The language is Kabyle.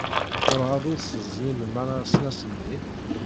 Werɛad ur d-tezdimem ara asnas-nni?